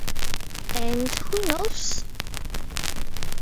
And who knows...?